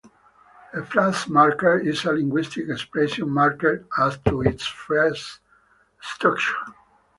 A phrase marker is a linguistic expression marked as to its phrase structure.